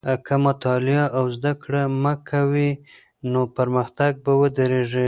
که مطالعه او زده کړه مه کوې، نو پرمختګ به ودرېږي.